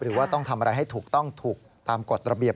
หรือว่าต้องทำอะไรให้ถูกต้องถูกตามกฎระเบียบ